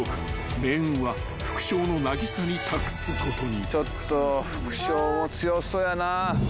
［命運は副将のなぎさに託すことに］